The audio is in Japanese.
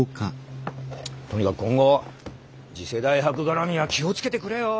とにかく今後次世代博がらみは気を付けてくれよ。